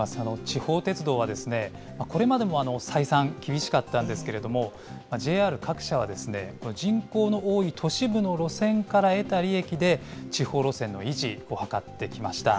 地方鉄道は、これまでも採算厳しかったんですけれども、ＪＲ各社は、人口の多い都市部の路線から得た利益で、地方路線の維持を図ってきました。